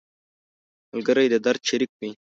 ملګری د درد شریک وي